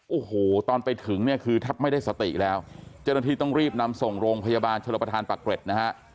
โอ้โหตอนไปถึงเนี่ยคือแทบไม่ได้สติแล้วเจ้าหน้าที่ต้องรีบนำส่งโรงพยาบาลชนประธานปักเกร็ดนะฮะ